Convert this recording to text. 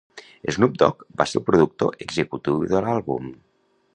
Snoop Dogg va ser el productor executiu de l'àlbum.